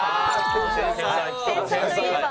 天才と言えば。